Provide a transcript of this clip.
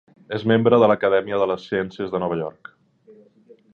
És membre de l'Acadèmia de les Ciències de Nova York.